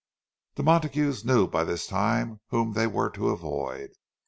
The Montagues knew by this time whom they were to avoid.